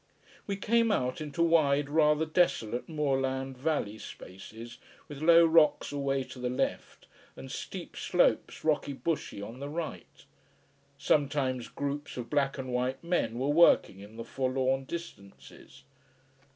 We came out into wide, rather desolate, moorland valley spaces, with low rocks away to the left, and steep slopes, rocky bushy, on the right. Sometimes groups of black and white men were working in the forlorn distances.